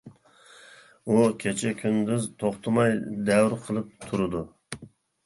ئۇ كېچە-كۈندۈز توختىماي دەۋر قىلىپ تۇرىدۇ.